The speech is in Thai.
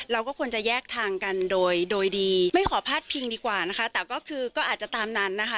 เราก็ควรจะแยกทางกันโดยโดยดีไม่ขอพาดพิงดีกว่านะคะแต่ก็คือก็อาจจะตามนั้นนะคะ